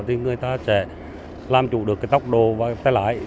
thì người ta sẽ làm chủ được cái tốc độ và cái lãi